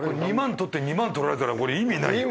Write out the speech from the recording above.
取って２万取られたらこれ意味ないよ。